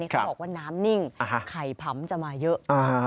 เขาบอกว่าน้ำนิ่งไข่ผำจะมาเยอะ